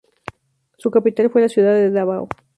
Su capital fue la ciudad de Dávao.